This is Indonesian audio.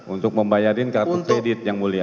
untuk membayarin kartu kredit yang mulia